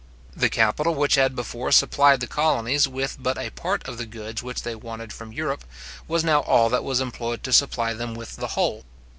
The capital which had before supplied the colonies with but a part of the goods which they wanted from Europe, was now all that was employed to supply them with the whole.